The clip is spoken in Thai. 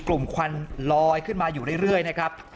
ควันลอยขึ้นมาอยู่เรื่อยนะครับ